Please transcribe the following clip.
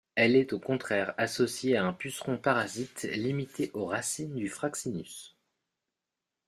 Elle est au contraire associée à un puceron parasite limité aux racines du Fraxinus.